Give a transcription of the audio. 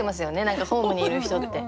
何かホームにいる人って。